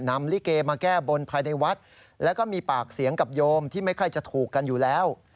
ลิเกมาแก้บนภายในวัดแล้วก็มีปากเสียงกับโยมที่ไม่ค่อยจะถูกกันอยู่แล้ว